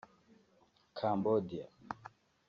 Cambodia